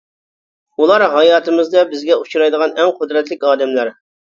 ئۇلار ھاياتىمىزدا بىزگە ئۇچرايدىغان ئەڭ قۇدرەتلىك ئادەملەر.